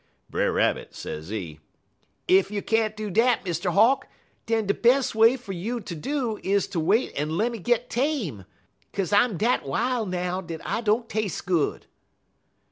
"Brer Rabbit, sezee, 'Ef you can't do dat, Mr. Hawk, den de bes' way fer you ter do is ter wait en lemme git tame, 'kaze I'm dat wil' now dat I don't tas'e good.'